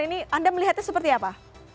ini anda melihatnya seperti apa